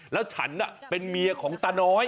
แล้วฉันเป็นเมียของตาน้อย